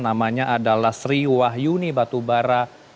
namanya adalah sri wahyuni batubara